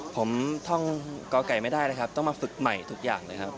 ผมท่องกไก่ไม่ได้นะครับต้องมาฝึกใหม่ทุกอย่างเลยครับ